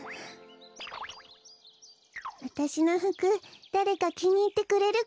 わたしのふくだれかきにいってくれるかな？